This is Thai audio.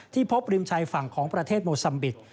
ที่พบริมชัยฝั่งของประเทศโมสัมบิตนั้น